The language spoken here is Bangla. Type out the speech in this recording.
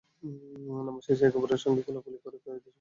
নামাজ শেষে একে অপরের সঙ্গে কোলাকুলি করে ঈদের শুভেচ্ছা বিনিময় করেছেন।